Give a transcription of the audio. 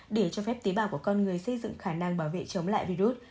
để cho phép tế bào của con người xây dựng khả năng bảo vệ chống lại virus